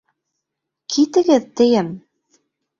Китегеҙ, тием!